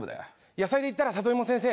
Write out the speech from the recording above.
野菜で言ったら里芋先生。